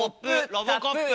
ロボコップ？